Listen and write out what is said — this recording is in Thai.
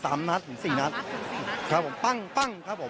สามนัดถึงสี่นัดครับผมปั้งปั้งครับผม